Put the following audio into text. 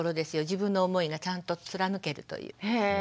自分の思いがちゃんと貫けるという。